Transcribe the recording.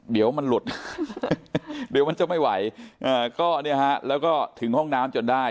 เดี๋ยวมันหลุดเดี๋ยวมันจะไม่ไหวก็เนี่ยฮะแล้วก็ถึงห้องน้ำจนได้